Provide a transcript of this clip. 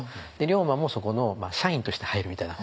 龍馬もそこの社員として入るみたいな。